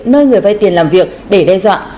nơi người vay tiền làm việc để đe dọa